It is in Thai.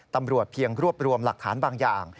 ตำรวจเพียงรวบรวมหลักฐานบางอย่าง